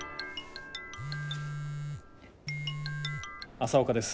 朝岡です。